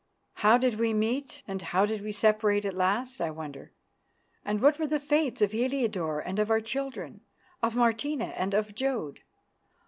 How did we meet and how did we separate at last, I wonder? And what were the fates of Heliodore and of our children; of Martina and of Jodd?